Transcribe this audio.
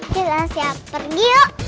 kita siap pergi yuk